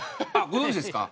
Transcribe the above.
ご存じですか？